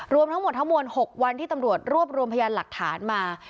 รวมทั้งหมดทั้งมวล๖วันที่ตำรวจรวบรวมพยานหลักฐานมา